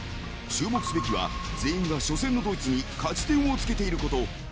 ［注目すべきは全員が初戦のドイツに勝ち点をつけていること］